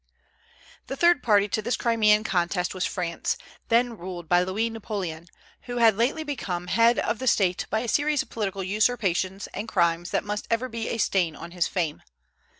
The third party to this Crimean contest was France, then ruled by Louis Napoleon, who had lately become head of the State by a series of political usurpations and crimes that must ever be a stain on his fame.